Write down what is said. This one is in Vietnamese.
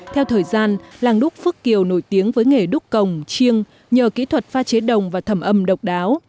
theo thời gian làng đúc phước kiều nổi tiếng với nghề đúc cồng chiêng nhờ kỹ thuật pha chế đồng và thẩm âm độc đáo